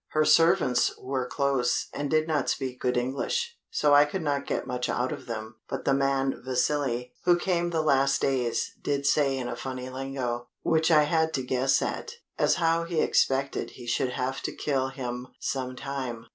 "Her servants were close, and did not speak good English, so I could not get much out of them, but the man Vasili, who came the last days, did say in a funny lingo, which I had to guess at, as how he expected he should have to kill him some time.